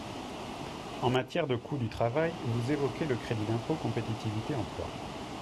En matière de coût du travail, vous évoquez le crédit d’impôt compétitivité emploi.